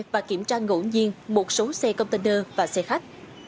và kiểm tra ngẫu nhiên một số xe container và xe khách